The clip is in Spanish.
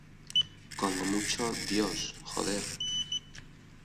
como mucho, Dios. joder .